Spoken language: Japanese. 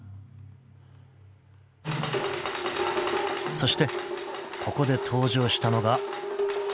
［そしてここで登場したのが］